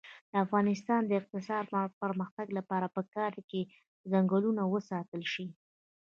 د افغانستان د اقتصادي پرمختګ لپاره پکار ده چې ځنګلونه وساتل شي.